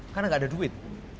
karena nggak ada duit